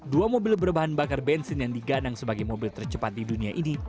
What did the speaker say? dua mobil berbahan bakar bensin yang digadang sebagai mobil tercepat di dunia ini